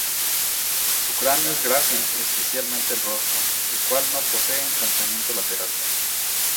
Su cráneo es grácil, especialmente el rostro, el cual no posee ensanchamiento lateral.